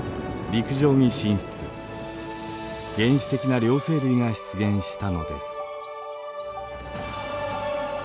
原始的な両生類が出現したのです。